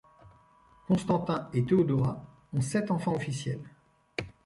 Constantin et Théodora ont sept enfants officiels.